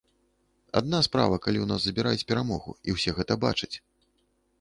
Адна справа, калі ў нас забіраюць перамогу, і ўсе гэта бачаць.